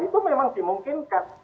itu memang dimungkinkan